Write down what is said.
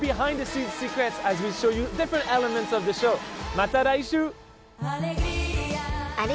また来週！